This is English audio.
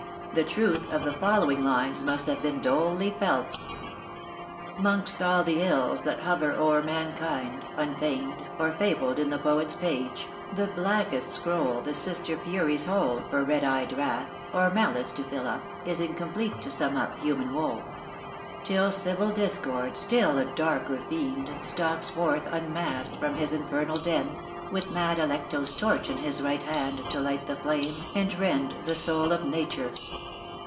The truth of the following lines must have been dolefully felt:= ````"'Mongst all the ills that hover o'er mankind, ````Unfeigned, or fabled in the poet's page, ````The blackest scroll the sister furies hold ````For red eyed wrath, or malice to fill up, ````Is incomplete to sum up human woe; ````Till civil discord, still a darker fiend, ````Stalks forth unmasked from his infernal den, ````With mad Alecto's torch in his right hand, ````To light the flame, and rend the soul of nature."